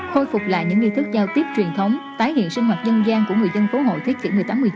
khôi phục lại những nghi thức giao tiếp truyền thống tái hiện sinh hoạt dân gian của người dân phố hội thế kỷ một mươi tám mươi chín